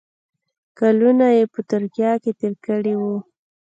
کلونه یې په ترکیه کې تېر کړي وو.